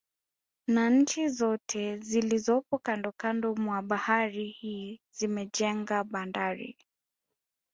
Na nchi zote zilizopo kandokando mwa bahari hii zimejenga bandari